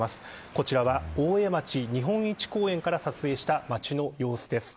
こちらは大江町、日本一公園から撮影した町の様子です。